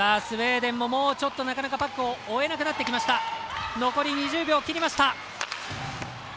スウェーデンももうちょっとなかなかパックを追えなくなってきました。